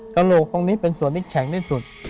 กระโหลกตรงนี้เป็นส่วนที่แข็งที่สุด